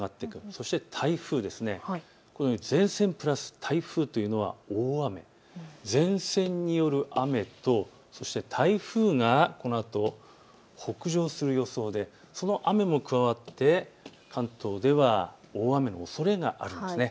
そして台風、このように前線プラス台風というのは大雨、前線による雨とそして台風がこのあと北上する予想でその雨も加わって、関東では大雨のおそれがあるんです。